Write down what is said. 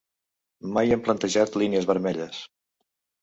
Mai hem plantejat línies vermelles.